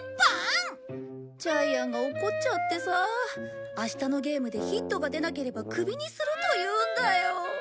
ジャイアンが怒っちゃってさ明日のゲームでヒットが出なければクビにすると言うんだよ。